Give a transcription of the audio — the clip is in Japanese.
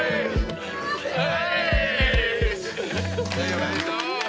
・おめでとう！